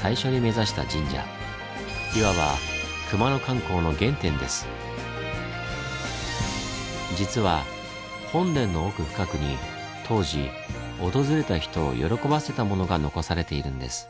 いわば実は本殿の奥深くに当時訪れた人を喜ばせたものが残されているんです。